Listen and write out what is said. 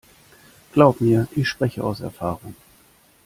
Glaub mir, ich spreche aus Erfahrung.